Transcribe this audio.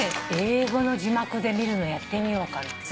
英語の字幕で見るのやってみようかな。